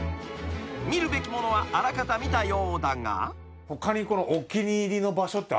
［見るべきものはあらかた見たようだが］